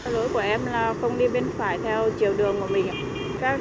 lối của em là không đi bên phải theo chiều đường của mình ạ